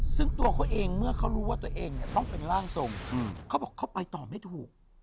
ซึ่งตัวเขาเองเมื่อเขารู้ว่าตัวเองเนี่ยต้องเป็นร่างทรงเขาบอกเขาไปต่อไม่ถูก